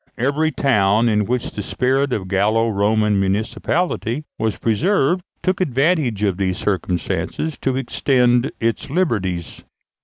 Every town in which the spirit of Gallo Roman municipality was preserved took advantage of these circumstances to extend its liberties.